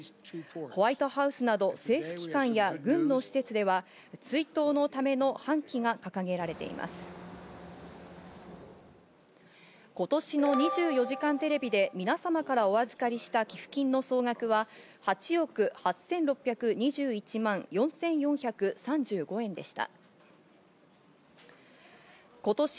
ホワイトハウスなど政府機関や軍の施設では追悼のための半旗が掲今年の『２４時間テレビ』で皆様からお預かりした寄付金の総額は８億８６２１万４４３５円でした。